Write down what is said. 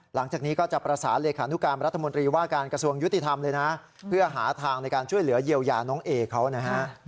หลังจากนี้ก็จะประสานเลขานุการรัฐมนตรีว่าการกระทรวงยุติธรรมเลยนะเพื่อหาทางในการช่วยเหลือเยียวยาน้องเอเขานะฮะ